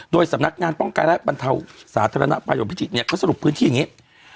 โดยสำนักงานป้องกันและบรรเทาสาธารณภัยของพิจิตรเนี่ยเขาสรุปพื้นที่อย่างนี้